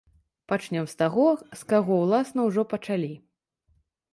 Пачнём з таго, з каго, уласна, ужо пачалі.